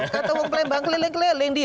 kata orang kelembang keleleng keleleng dia